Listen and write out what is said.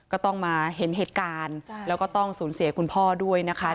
ก็ต้องมาเห็นเหตุการณ์แล้วก็ต้องสูญเสียคุณพ่อด้วยนะคะ